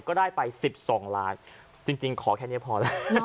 ก็ได้ไป๑๒ล้านจริงขอแค่นี้พอแล้ว